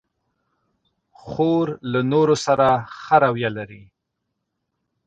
خور له نورو سره ښه رویه لري.